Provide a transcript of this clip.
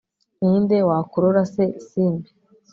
ni nde wakurora se simbi